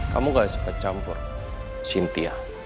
kamu gak suka campur cynthia